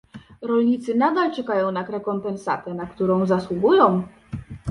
Rolnicy nadal czekają na rekompensatę, na którą zasługują